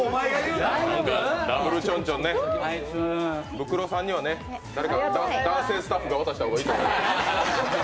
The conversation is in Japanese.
ブクロさんには男性スタッフが渡した方がいいと思います。